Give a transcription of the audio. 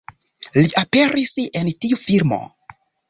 Li aperis en tiu filmo